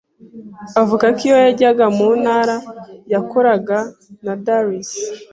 avuga ko iyo yajyaga mu ntara yakoranaga na Darcy